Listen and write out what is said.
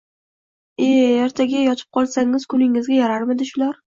E-e, ertaga yotib qolsangiz kuningizga yararmidi shular